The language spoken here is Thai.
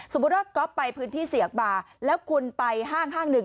สมมุติว่าก็ไปพื้นที่เสี่ยงบ่าแล้วคุณไปห้างหนึ่ง